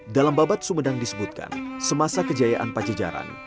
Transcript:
dalam babat sumedang disebutkan semasa kejayaan pajajaran